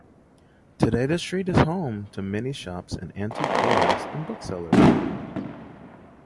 Today the street is home to many shops and antique dealers and booksellers.